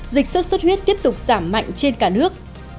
dịch sốt xuất huyết tiếp tục giảm mạnh trên cả nước